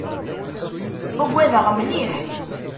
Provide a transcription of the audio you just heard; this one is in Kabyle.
Ugadeɣ mliḥ.